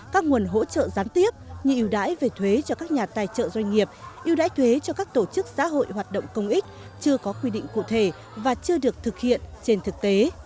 các nguồn hỗ trợ gián tiếp như ưu đãi về thuế cho các nhà tài trợ doanh nghiệp ưu đãi thuế cho các tổ chức xã hội hoạt động công ích chưa có quy định cụ thể và chưa được thực hiện trên thực tế